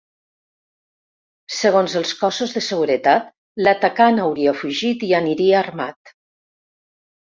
Segons els cossos de seguretat, l’atacant hauria fugit i aniria armat.